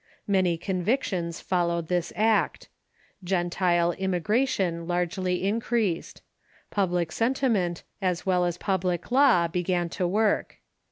Many convictions followed this act. " Gentile " immigration largely increased. Public sentiment as well as public law be gan to work.